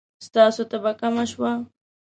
ستاسو تبه کمه شوه؟